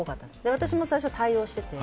私も最初対応していて。